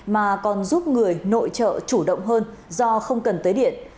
mà còn giúp người nội trợ chủ động hơn do không cần tới điện